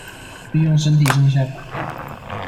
利用身體上下矲動